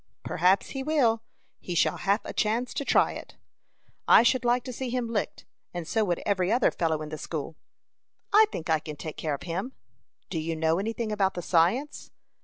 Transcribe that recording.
"Perhaps he will; he shall have a chance to try it." "I should like to see him licked, and so would every other fellow in the school." "I think I can take care of him." "Do you know any thing about the science?"